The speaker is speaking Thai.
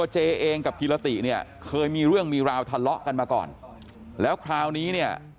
เจเองกับกิรติเนี่ยเคยมีเรื่องมีราวทะเลาะกันมาก่อนแล้วคราวนี้เนี่ย